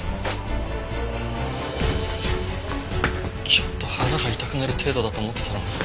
ちょっと腹が痛くなる程度だと思ってたのに。